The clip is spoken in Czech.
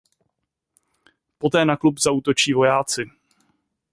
Poté na klub zaútočí vojáci.